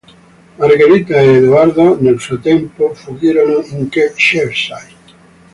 Margherita e Edoardo nel frattempo fuggirono in Cheshire.